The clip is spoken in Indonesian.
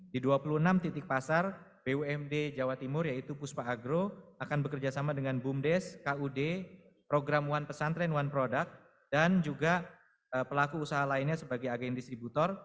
di dua puluh enam titik pasar bumd jawa timur yaitu puspa agro akan bekerjasama dengan bumdes kud program one pesantren one product dan juga pelaku usaha lainnya sebagai agen distributor